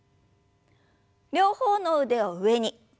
両方の腕を上に。